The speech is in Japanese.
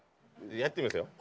やってみますよ。